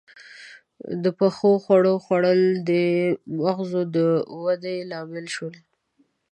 • د پخو خوړو خوړل د مغزو د ودې لامل شول.